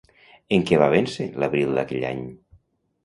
En què va vèncer l'abril d'aquell any?